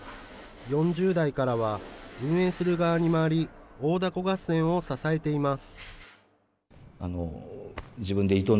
４０代からは運営する側に回り、大凧合戦を支えています。